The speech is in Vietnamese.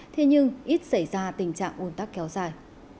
thế nhưng ít xảy ra tình trạng ồn tắc kéo dài